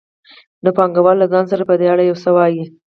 نو پانګوال له ځان سره په دې اړه یو څه وايي